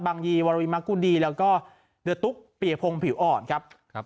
บางยีวารวิมากูดีแล้วก็เดอะตุ๊กปียะโพงผิวอ่อนครับ